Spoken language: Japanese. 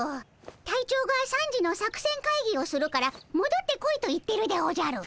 隊長が３時の作戦会議をするからもどってこいと言ってるでおじゃる。